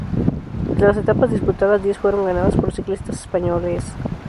De las etapas disputadas, diez fueron ganadas por ciclistas españoles.